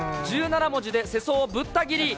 １７文字で世相をぶった切り。